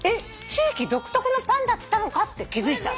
地域独特のパンだったのかって気付いた。